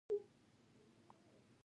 آیا د ایران سیاست پیچلی نه دی؟